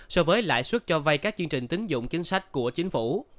so với lãi suất cho vay các chương trình tính dụng chính sách của chính phủ